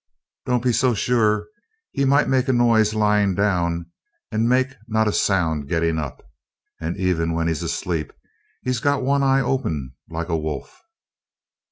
"Don't be so sure. He might make a noise lying down and make not a sound getting up. And, even when he's asleep, he's got one eye open like a wolf."